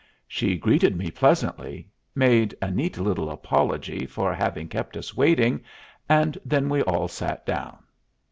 She greeted me pleasantly, made a neat little apology for having kept us waiting, and then we all sat down.